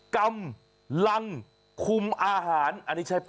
กำลังคุมอาหารอันนี้ใช่ป่